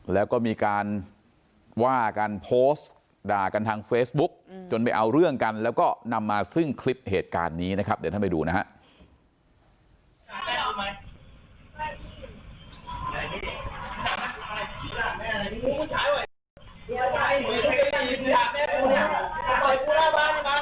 แล้วก็มีการว่ากันโพสต์ด่ากันทางเฟซบุ๊กจนไปเอาเรื่องกันแล้วก็นำมาซึ่งคลิปเหตุการณ์นี้นะครับเดี๋ยวท่านไปดูนะฮะ